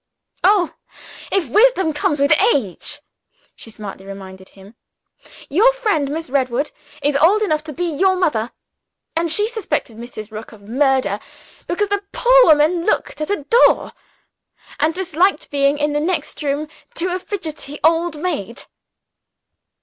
"Oh if wisdom comes with age," she smartly reminded him, "your friend Miss Redwood is old enough to be your mother and she suspected Mrs. Rook of murder, because the poor woman looked at a door, and disliked being in the next room to a fidgety old maid."